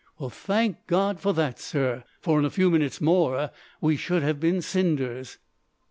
Well, thank God for that, sir, for in a few minutes more we should have been cinders!"